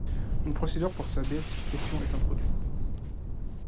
Une procédure pour sa béatification est introduite.